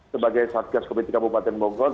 sebagai satgas covid kabupaten bogor